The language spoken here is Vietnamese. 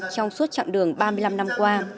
trong suốt chặng đường ba mươi năm năm qua